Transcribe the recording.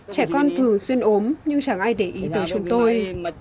trẻ con thường xuyên ốm nhưng chẳng ai để ý tới chúng tôi